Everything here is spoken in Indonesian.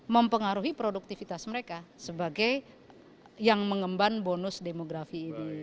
mempengaruhi produktivitas mereka sebagai yang mengemban bonus demografi ini